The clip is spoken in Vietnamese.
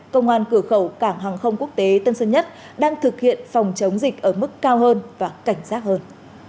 công an cửa khẩu cảng hàng không quốc tế tân sơn nhất đang thực hiện phòng chống dịch ở mức cao hơn và cảnh giác hơn